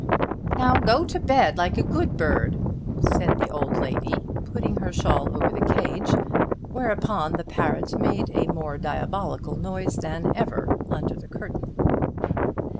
"Now go to bed like a good bird," said the old lady putting her shawl over the cage, whereupon the parrot made a more diabolical noise than ever under the curtain.